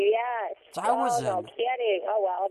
Ttɛawazen?